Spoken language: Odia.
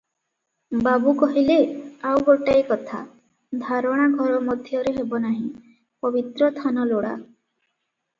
ବାବୁ କହିଲେ – ଆଉ ଗୋଟାଏ କଥା, ଧାରଣା ଘର ମଧ୍ୟରେ ହେବ ନାହିଁ, ପବିତ୍ର ଥାନ ଲୋଡ଼ା ।